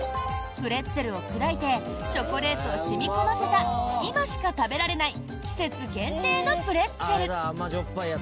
プレッツェルを砕いてチョコレートを染み込ませた今しか食べられない季節限定のプレッツェル。